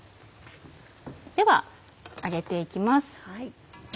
では上げて行きます。